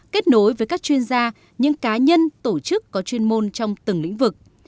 kết nối với các chuyên gia những cá nhân tổ chức có chuyên môn trong từng lĩnh vực